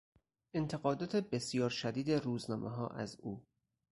انتقادات بسیار شدید روزنامهها از او